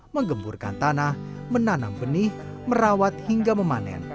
menggemburkan tanah menanam benih merawat hingga memanen